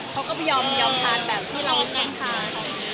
เค้าก็ยอมทานแบบที่เราก็ต้องทาน